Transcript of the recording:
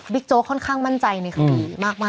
โจ๊กค่อนข้างมั่นใจในคดีมาก